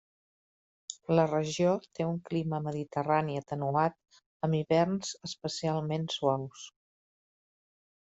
La regió té un clima mediterrani atenuat amb hiverns especialment suaus.